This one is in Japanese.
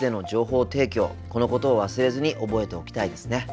このことを忘れずに覚えておきたいですね。